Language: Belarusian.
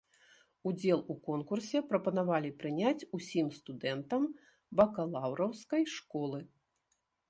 Удзел у конкурсе прапанавалі прыняць усім студэнтам бакалаўраўскай школы.